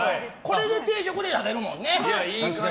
これで定食でやれるもんね。